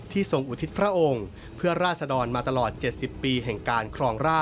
ทรงอุทิศพระองค์เพื่อราศดรมาตลอด๗๐ปีแห่งการครองร่า